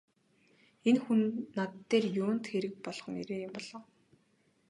Энэ хүн над дээр юунд хэрэг болгон ирээ юм бол оо!